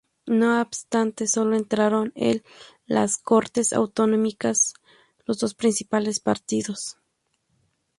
No obstante sólo entraron el las Cortes autonómicas los dos principales partidos.